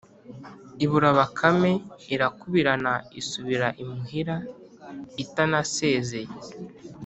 ibura bakame; irakubirana isubira imuhira itanasezeye!